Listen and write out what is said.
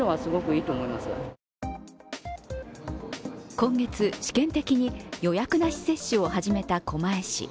今月、試験的に予約なし接種を始めた狛江市。